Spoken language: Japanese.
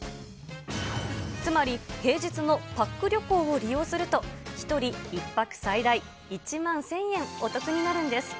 つまり平日のパック旅行を利用すると、１人１泊最大１万１０００円お得になるんです。